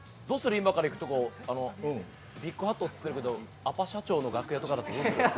今から行くところ、ビッグハットって言ってるけど、アパ社長の楽屋だったら。